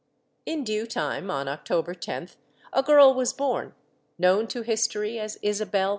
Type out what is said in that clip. In due time, on October 10th, a girl was born, known to history as Isabel II.